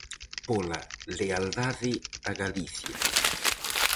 Pola lealdade a Galicia.